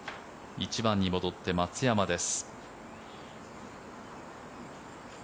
１番に戻って松山です。